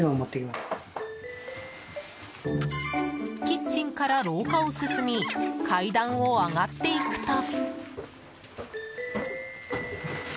キッチンから廊下を進み階段を上がっていくと。